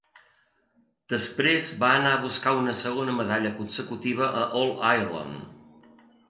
Després va anar a buscar una segona medalla consecutiva a l'All-Ireland.